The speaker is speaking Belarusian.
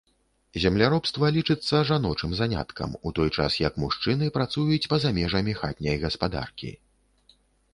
Земляробства лічыцца жаночым заняткам, у той час як мужчыны працуюць па-за межамі хатняй гаспадаркі.